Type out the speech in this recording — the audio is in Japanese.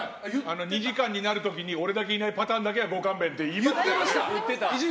２時間になる時に俺だけいないパターンだけはご勘弁って言ったよね？